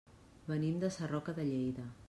Venim de Sarroca de Lleida.